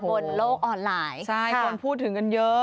บนโลกออนไลน์ใช่คนพูดถึงกันเยอะ